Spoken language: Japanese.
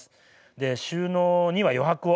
で収納には余白を。